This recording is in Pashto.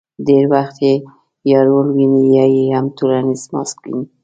ډېر وخت یې یا رول ویني، یا یې هم ټولنیز ماسک ویني.